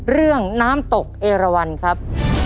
เรื่องน้ำตกเอราวันครับ